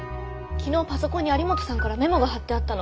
昨日パソコンに有本さんからメモが貼ってあったの。